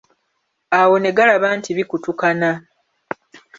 Awo ne galaba nti bikutukana.